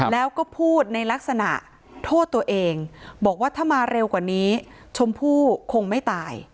แล้วก็พูดในลักษณะโทษตัวเองบอกว่าถ้ามาเร็วกว่านี้ชมพู่คงไม่ตาย